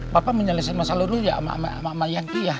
papa menyaliskan masalah lu dulu ya ama ama ama ama ama yang itu ya